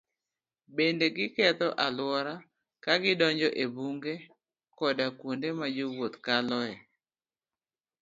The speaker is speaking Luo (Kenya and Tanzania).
Bende, giketho alwora ka gidonjo e bunge koda kuonde ma jowuoth kaloe.